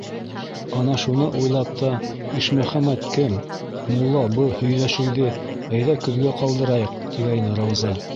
Ана шуны уйлап та: «Ишмөхәмәт, кем, мулла, бы һөйҙәшеүҙе әйҙә көҙгә ҡалдырайыҡ», - тигәйне Рауза.